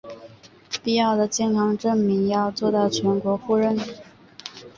必要的健康证明要做到全国互认